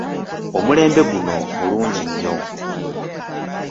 Omulembe guno mulungi nnyo.